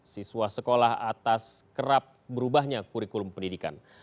siswa sekolah atas kerap berubahnya kurikulum pendidikan